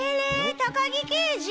高木刑事